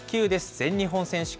全日本選手権。